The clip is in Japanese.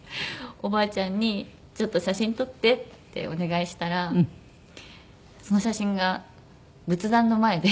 おばあちゃんに「ちょっと写真撮って」ってお願いしたらその写真が仏壇の前で。